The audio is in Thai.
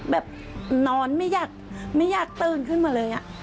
แบบนอนไม่อยากไม่อยากตื่นขึ้นมาเลย